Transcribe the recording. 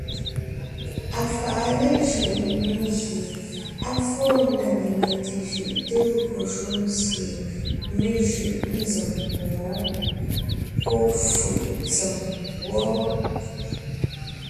Afàʼa léjʉ́ʼ ngwóŋ gie á fóo na lenyɛte jʉʼ te gÿo shúm sie mé jʉʼ zém mboŋó pɔ́fʉ̀ʼ ntsèm wɔ́.